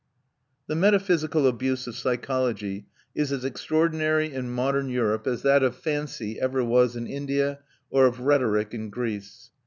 The metaphysical abuse of psychology is as extraordinary in modern Europe as that of fancy ever was in India or of rhetoric in Greece.